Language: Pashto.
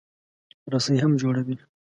رسۍ هم جوړوي.